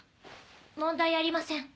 問題ありません